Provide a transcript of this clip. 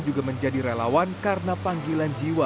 juga menjadi relawan karena panggilan jiwa